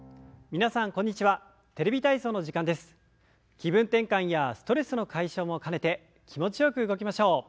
気分転換やストレスの解消も兼ねて気持ちよく動きましょう。